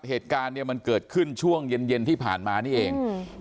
เหตุการณ์มันเกิดขึ้นช่วงเย็นที่ผ่านมานี่เอง